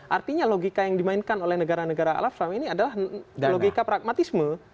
artinya logika yang dimainkan oleh negara negara arab selama ini adalah logika pragmatisme